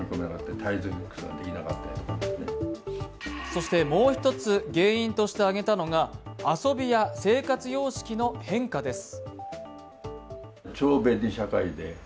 そしてもう一つ原因として挙げたのが遊びや生活様式の変化です。